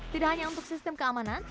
tidak hanya untuk sistem keamanan